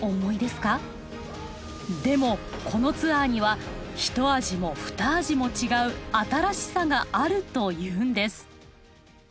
でもこのツアーには一味も二味も違う新しさがあるというんです。